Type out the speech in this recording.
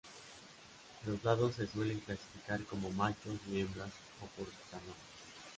Los dados se suelen clasificar como machos y hembras o por su tamaño.